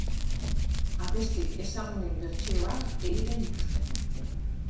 Abesti ezagunen bertsioak egiten dituzte.